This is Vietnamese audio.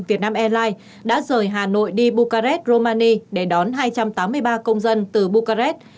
việt nam airlines đã rời hà nội đi bukared romani để đón hai trăm tám mươi ba công dân từ bucarest